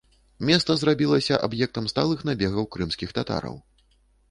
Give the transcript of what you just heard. Места зрабілася аб'ектам сталых набегаў крымскіх татараў.